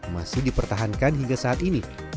masih dipertahankan hingga saat ini